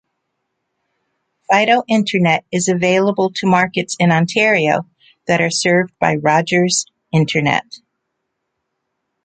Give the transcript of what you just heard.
Fido internet is available to markets in Ontario that are served by Rogers' internet.